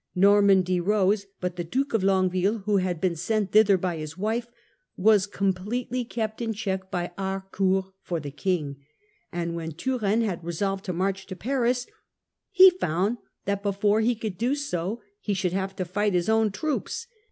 Nor mandy rose, but the Duke of Longueville, who had been sent thither by his wife, was completely kept in check by Harcourt for the King. And when Turenne had resolved to march to Paris, he found that before he could do so he should have to fight his own troops.